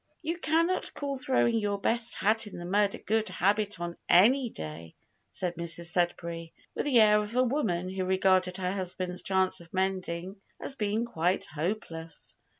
"You cannot call throwing your best hat in the mud a good habit on any day," said Mrs Sudberry, with the air of a woman who regarded her husband's chance of mending as being quite hopeless.